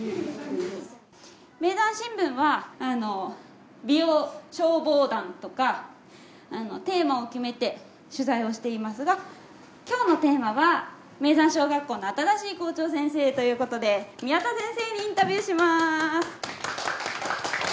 『名山新聞』は美容消防団とかテーマを決めて取材をしていますが今日のテーマは名山小学校の新しい校長先生ということで宮田先生にインタビューしまーす。